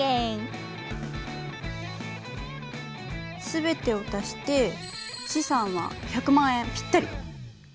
全てを足して資産は１００万円ぴったり。